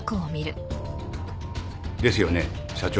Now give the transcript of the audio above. ですよね社長。